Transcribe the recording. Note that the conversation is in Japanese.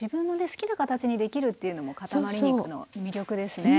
好きな形にできるっていうのもかたまり肉の魅力ですね。